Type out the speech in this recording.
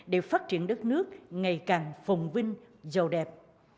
để phát triển đất nước ngày càng phồng vinh giàu đẹp